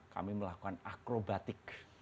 kami melakukan acrobatik